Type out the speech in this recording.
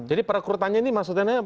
jadi perekrutannya ini maksudnya